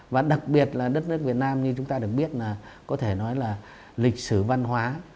và đặc biệt là đất nước việt nam như chúng ta được biết là có thể nói là lịch sử văn hóa